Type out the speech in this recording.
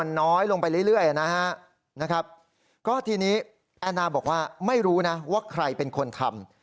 แอนน่าบอกว่าไม่รู้นะว่าใครเป็นคนทำ